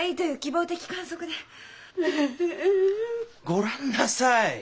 ごらんなさい！